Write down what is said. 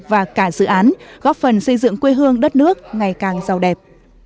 và cả dự án góp phần xây dựng quê hương đất nước ngày càng giàu đẹp